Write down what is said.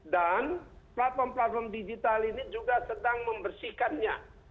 dan platform platform digital ini juga sedang membersihkannya